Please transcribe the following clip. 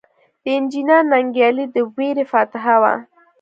د انجنیر ننګیالي د ورېرې فاتحه وه.